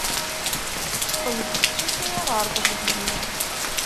Teqqel-d tsusmi ɣer teẓgi-nni.